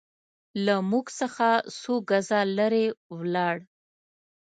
له موږ څخه څو ګزه لرې ولاړ.